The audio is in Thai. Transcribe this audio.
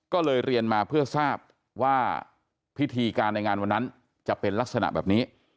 ก็เลยเรียนมาเพื่อทราบว่าพิธีการในงานวันนั้นจะเป็นลักษณะแบบนี้